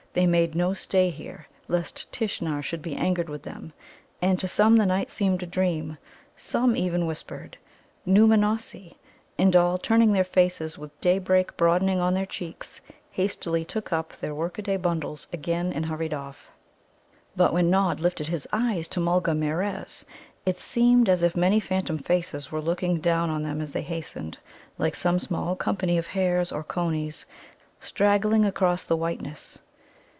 They made no stay here, lest Tishnar should be angered with them. And to some the night seemed a dream; some even whispered, "Nōōmanossi." And all, turning their faces, with daybreak broadening on their cheeks, hastily took up their workaday bundles again and hurried off. But when Nod lifted his eyes to Mulgarmeerez, it seemed as if many phantom faces were looking down on them as they hastened, like some small company of hares or coneys, straggling across the whiteness.